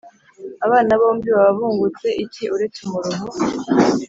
abana bombi baba bungutse iki uretse umuruho?